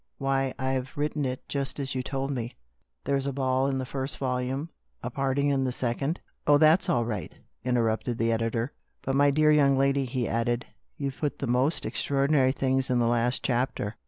" Why, I've written it just as you told me. There's a forged will in the first volume, a picnic in the second " "Oh, that's all right," interrupted the editor. "But, my dear girl," he added, "you've put the most extraordinary things in this last chapter.